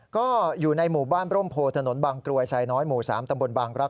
ก็อยู่ในหมู่บ้านร่มโพถนนบางกรวยไซน้อยหมู่๓ตำบลบางรักษ